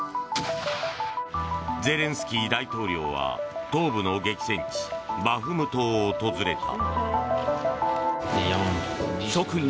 ゼレンスキー大統領は東部の激戦地バフムトを訪れた。